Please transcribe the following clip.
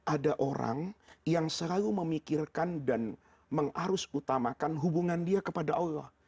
ada orang yang selalu memikirkan dan mengarus utamakan hubungan dia kepada allah